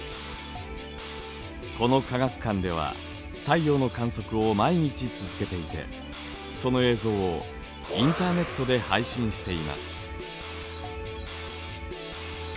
この科学館では太陽の観測を毎日続けていてその映像をインターネットで配信しています。